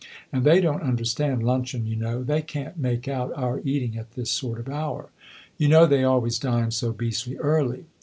And they don't understand luncheon, you know they can't make out our eating at this sort of hour. You know they always dine so beastly early.